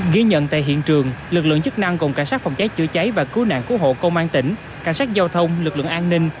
ghi nhận tại hiện trường lực lượng chức năng gồm cảnh sát phòng cháy chữa cháy và cứu nạn cứu hộ công an tỉnh cảnh sát giao thông lực lượng an ninh